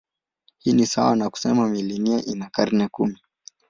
Hii ni sawa na kusema milenia ina karne kumi.